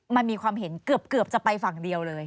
มันมีความเห็นเกือบจะไปฝั่งเดียวเลย